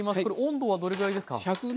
これ温度はどれぐらいですか？